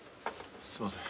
すいません。